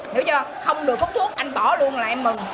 hiểu chưa không được hút thuốc anh bỏ luôn là em mừng